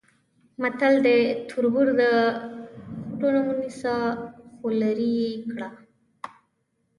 متل دی: تربور د خوټونه ونیسه خولرې یې کړه.